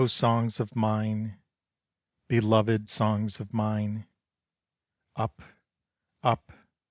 Oh songs of mine! belovèd songs of mine, Up, up!